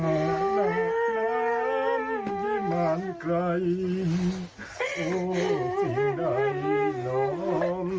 ที่ธุบัติไขเมืองเป็นเป็นประสาสาหรัส